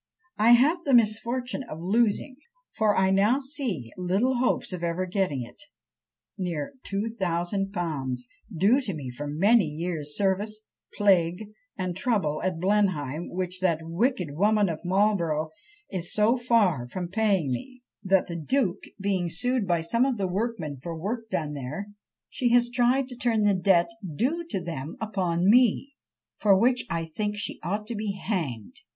"I have the misfortune of losing, for I now see little hopes of ever getting it, near 2000_l._ due to me for many years' service, plague, and trouble, at Blenheim, which that wicked woman of 'Marlborough' is so far from paying me, that the duke being sued by some of the workmen for work done there, she has tried to turn the debt due to them upon me, for which I think she ought to be hanged."